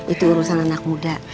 itu urusan anak muda